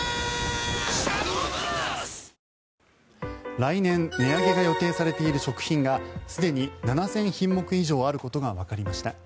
来年、値上げが予定されている食品がすでに７０００品目以上あることがわかりました。